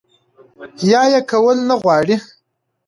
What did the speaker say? يا ئې کول نۀ غواړي